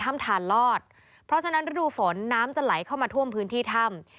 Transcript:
ทานลอดเพราะฉะนั้นฤดูฝนน้ำจะไหลเข้ามาท่วมพื้นที่ถ้ำ